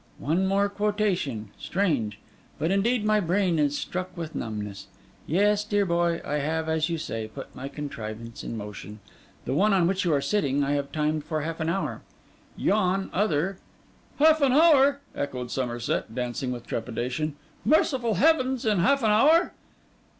'One more quotation: strange! But indeed my brain is struck with numbness. Yes, dear boy, I have, as you say, put my contrivance in motion. The one on which you are sitting, I have timed for half an hour. Yon other—' 'Half an hour!—' echoed Somerset, dancing with trepidation. 'Merciful Heavens, in half an hour?